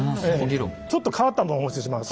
ちょっと変わったのをお持ちします。